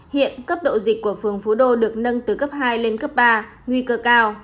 hiện cấp độ dịch của phường phú đô được nâng từ cấp hai lên cấp ba nguy cơ cao